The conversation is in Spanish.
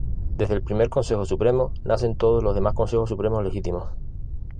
De este primer Consejo Supremo nacen todos los demás Consejos Supremos legítimos.